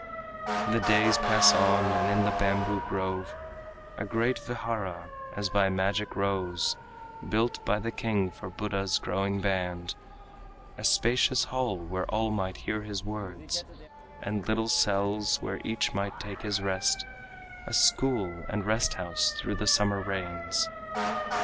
The days pass on, and in the bamboo grove A great vihara as by magic rose, Built by the king for Buddha's growing band, A spacious hall where all might hear his words, And little cells where each might take his rest, A school and rest house through the summer rains.